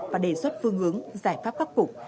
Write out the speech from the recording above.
và đề xuất phương ứng giải pháp khắc phục